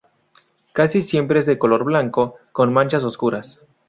Casi siempre es de color blanco con manchas oscuras.